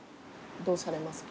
どうされますか？